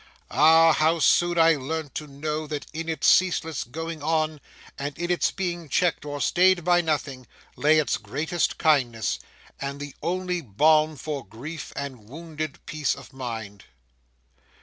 Ah! how soon I learnt to know that in its ceaseless going on, and in its being checked or stayed by nothing, lay its greatest kindness, and the only balm for grief and wounded peace of mind.